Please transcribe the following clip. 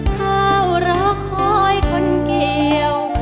ถ้าเราคอยคนเกี่ยว